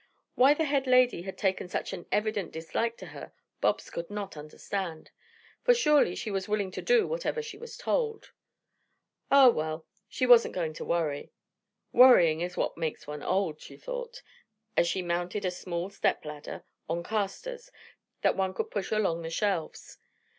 Why the head lady had taken such a very evident dislike to her, Bobs could not understand, for surely she was willing to do whatever she was told. Ah, well, she wasn't going to worry. "Worrying is what makes one old," she thought, as she mounted a small step ladder on casters that one could push along the shelves.